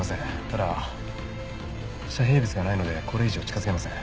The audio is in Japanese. ただ遮蔽物がないのでこれ以上近づけません。